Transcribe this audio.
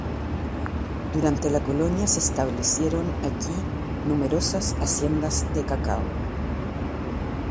Durante la Colonia se establecieron aquí numerosas haciendas de cacao.